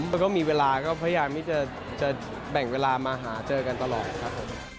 มันก็มีเวลาก็พยายามที่จะแบ่งเวลามาหาเจอกันตลอดครับผม